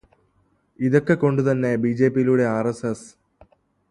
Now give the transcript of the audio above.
ഇതൊക്കെ കൊണ്ടുതന്നെ ബിജെപിയിലൂടെ ആര്.എസ്.എസ്.